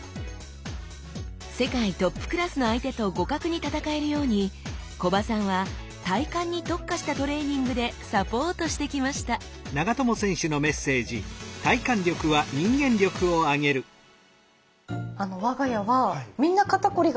世界トップクラスの相手と互角に戦えるように木場さんは体幹に特化したトレーニングでサポートしてきました我が家はずっと。